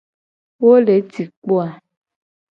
Wo le ci kpo a?